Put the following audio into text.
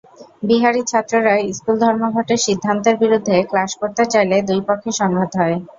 বিহারি ছাত্ররা স্কুল-ধর্মঘটের সিদ্ধান্তের বিরুদ্ধে ক্লাস করতে চাইলে দুই পক্ষে সংঘাত হয়।